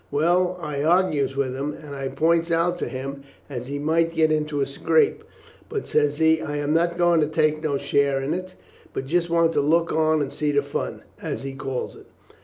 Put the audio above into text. Well, I argues with him, and I points out to him as he might get into a scrape; but, says he, 'I am not going to take no share in it, but just want to look on and see the fun,' as he calls it.